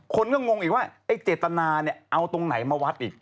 คนก็งงอีกว่าไอ้เจตนาเนี่ยเอาตรงไหนมาวัดอีก